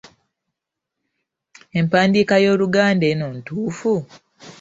Empandiika y’Oluganda eno ntuufu?